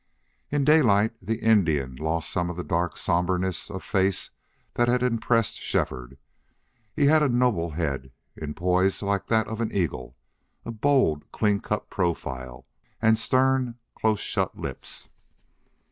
In daylight the Indian lost some of the dark somberness of face that had impressed Shefford. He had a noble head, in poise like that of an eagle, a bold, clean cut profile, and stern, close shut lips.